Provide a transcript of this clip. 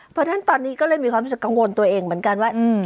เพราะฉะนั้นตอนนี้ก็เลยมีความรู้สึกกังวลตัวเองเหมือนกันว่า